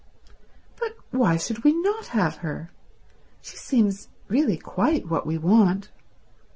"But why should we not have her? She seems really quite what we want."